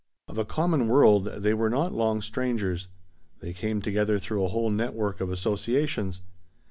Of a common world, they were not long strangers. They came together through a whole network of associations.